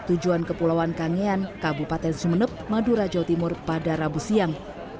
tujuan kepulauan kangean kabupaten sumeneb madura jawa timur pada rabu siang